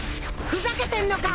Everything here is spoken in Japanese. ふざけてんのか！？